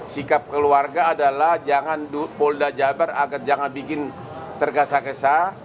sikap keluarga adalah jangan bolda jabar agar jangan bikin tergesak gesak